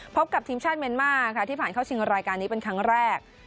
พบกับทีมชาติเมียนมาร์ค่ะที่ผ่านเข้าชิงรายการนี้เป็นครั้งแรก